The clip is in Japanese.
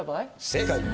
正解。